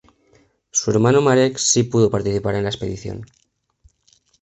Su hermano Marek si pudo participar en la expedición.